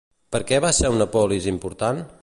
Per què va ser una polis important?